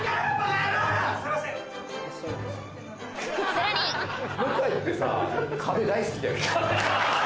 さらに向井ってさ『壁』大好きだよね。